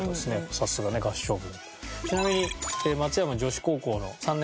さすがね合唱部。